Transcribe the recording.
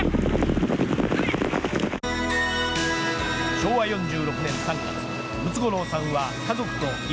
昭和４６年３月ムツゴロウさんは家族と、犬